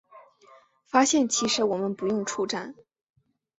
发现其实我们不用出站